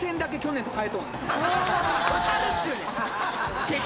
分かるっちゅうねん！